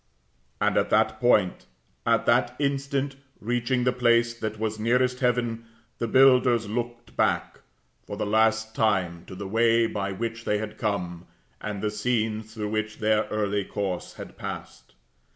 And at that point, and that instant, reaching the place that was nearest heaven, the builders looked back, for the last time, to the way by which they had come, and the scenes through which their early course had passed.